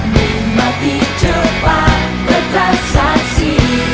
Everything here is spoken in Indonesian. dimati cepat bergab saksi